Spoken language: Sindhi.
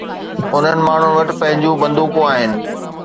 انهن ماڻهن وٽ پنهنجون بندوقون آهن